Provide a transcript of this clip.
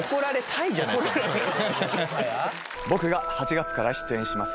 僕が８月から出演します